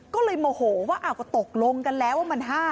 ก็เลยโมโหว่าก็ตกลงกันแล้วว่ามัน๕